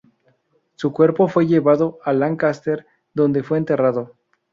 Su cuerpo fue llevado a Lancaster, donde fue enterrado.